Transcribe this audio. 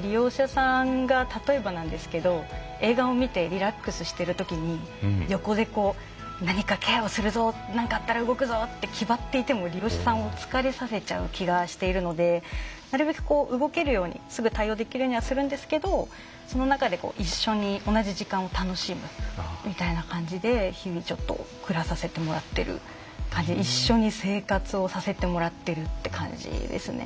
利用者さんが例えば映画を見てリラックスしているときに横で何かケアをするぞなんかあったら動くぞって気張っていても利用者さんを疲れさせちゃう気がしているのでなるべく動けるようにすぐ対応できるようにはするんですけどその中で一緒に同じ時間を楽しむみたいな感じで日々、暮らさせてもらっている一緒に生活をさせてもらってるって感じですね。